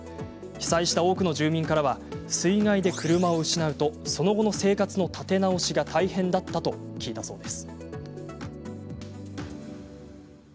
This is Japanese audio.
被災した多くの住民からは水害で車を失うとその後の生活の立て直しが大変だったと聞いたそうです。